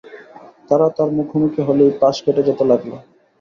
তারা তাঁর মুখোমুখি হলেই পাশ কেটে যেতে লাগল।